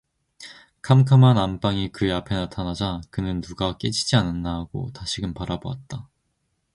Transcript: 컴컴한 안방이 그의 앞에 나타나자 그는 누가 깨지나 않았나 하고 다시금 바라보았다.